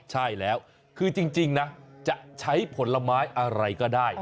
ใช่แล้วคือจริงนะจะใช้ผลไม้อะไรก็ได้